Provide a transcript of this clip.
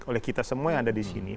oleh kita semua yang ada disini